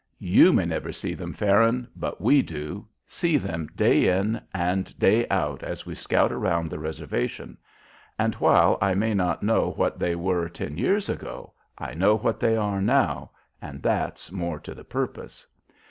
"You may never see them, Farron, but we do, see them day in and day out as we scout around the reservation; and while I may not know what they were ten years ago, I know what they are now, and that's more to the purpose.